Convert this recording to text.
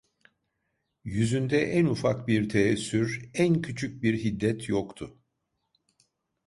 Yüzünde en ufak bir teessür, en küçük bir hiddet yoktu.